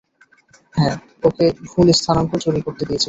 হ্যাঁ, ওকে ভুল স্থানাঙ্ক চুরি করতে দিয়েছিলাম।